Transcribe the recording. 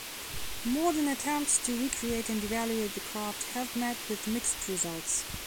Modern attempts to recreate and evaluate the craft have met with mixed results.